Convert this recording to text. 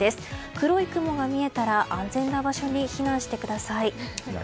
黒い雲が見えたら安全な場所に避難してください。